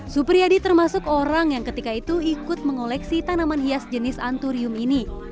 supriyadi termasuk orang yang ketika itu ikut mengoleksi tanaman hias jenis anturium ini